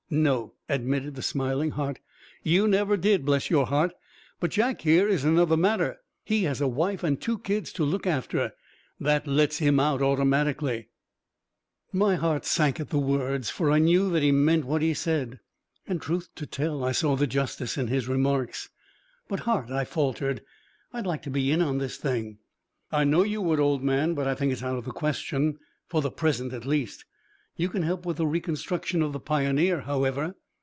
"No," admitted the smiling Hart, "you never did, bless your heart. But Jack here is another matter. He has a wife and two kids to look after. That lets him out automatically." My heart sank at the words, for I knew that he meant what he said. And, truth to tell, I saw the justice in his remarks. "But, Hart," I faltered, "I'd like to be in on this thing." "I know you would, old man. But I think it's out of the question, for the present at least. You can help with the reconstruction of the Pioneer, however."